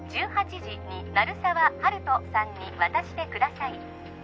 １８時に鳴沢温人さんに渡してください